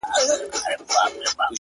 د زړه كاڼى مــي پــر لاره دى لــوېـدلى؛